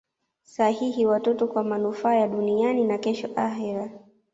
sahihi watoto kwa manufaa ya duniani na kesho akhera